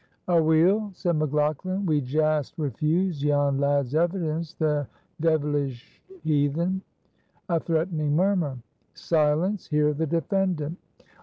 "Aweel," said McLaughlan; "we jaast refuse yon lad's evidence, the deevelich heathen." A threatening murmur. "Silence! Hear the defendant."